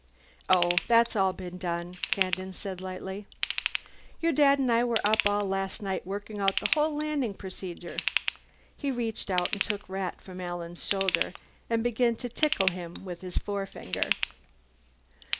"Oh, that's all been done," Kandin said lightly. "Your Dad and I were up all last night working out the whole landing procedure." He reached out and took Rat from Alan's shoulder, and began to tickle him with his forefinger.